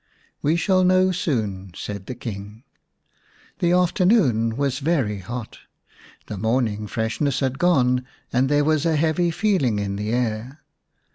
" We shall know soon," said the King. The afternoon was very hot ; the morning freshness had gone, and there was a heavy feeling in the air.